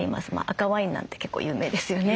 赤ワインなんて結構有名ですよね。